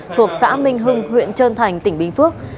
thuộc xã minh hưng huyện trơn thành tỉnh bình phước